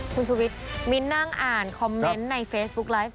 คุณชุวิตมิ้นนั่งอ่านคอมเมนต์ในเฟซบุ๊กไลฟ์